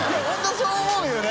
榲筿そう思うよね。